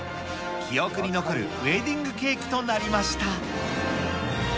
記憶に残るウエディングケーキとなりました。